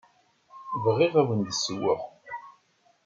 Bɣiɣ ad awen-d-ssewweɣ.